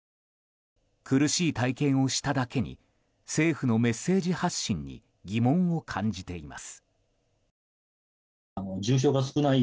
苦しい体験をしただけに政府のメッセージ発信に疑問を感じています。